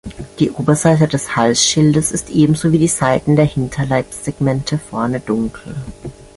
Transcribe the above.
Die Oberseite des Halsschildes ist ebenso wie die Seiten der Hinterleibssegmente vorne dunkel.